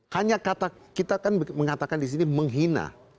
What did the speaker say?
hanya kata kita kan mengatakan disini menghina